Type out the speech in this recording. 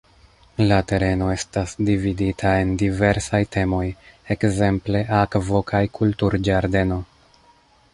La tereno estas dividita en diversaj temoj, ekzemple "akvo- kaj kultur-ĝardeno".